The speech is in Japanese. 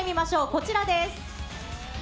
こちらです。